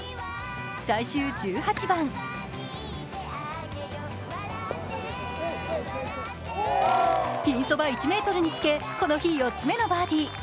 最終１８番、ピンそば１ｍにつけこの日４つ目のバーディー。